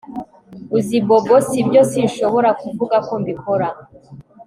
Uzi Bobo si byo Sinshobora kuvuga ko mbikora